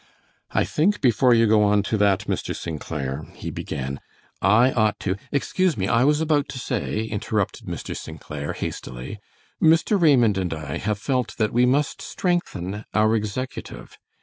"I think before you go on to that, Mr. St. Clair," he began, "I ought to " "Excuse me, I was about to say," interrupted Mr. St. Clair, hastily, "Mr. Raymond and I have felt that we must strengthen our executive.